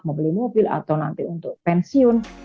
mau beli mobil atau nanti untuk pensiun